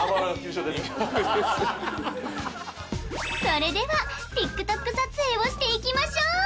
それではＴｉｋＴｏｋ撮影をしていきましょう！